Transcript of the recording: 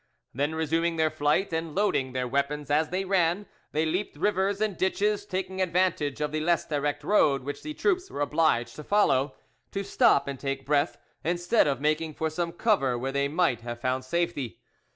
Then, resuming their flight and loading their weapons as they ran, they leaped rivers and ditches, taking advantage of the less direct road which the troops were obliged to follow, to stop and take breath, instead of making for some cover where they might have found safety.